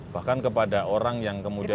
bahkan kepada orang yang kemudian